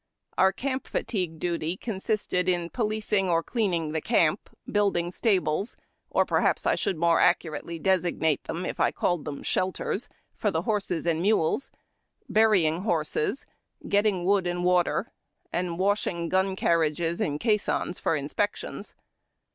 Our camp fatigue duty consisted in policing or cleaning camp, building stables, or perhaps I should more accurately designate them if I called them shelters, for the horses and mules, burying horses, getting wood and water, and wash ing gun carriages and caissons for inspections.